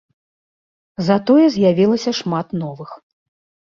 Затое з'явілася шмат новых.